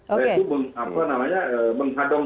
saya itu menghadong